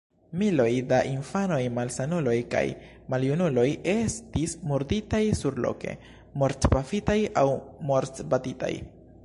Miloj da infanoj, malsanuloj kaj maljunuloj estis murditaj surloke: mortpafitaj aŭ mortbatitaj.